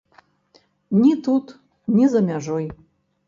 Ні тут, ні за мяжой.